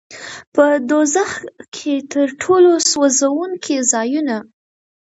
په دوزخ کې تر ټولو سوځوونکي ځایونه.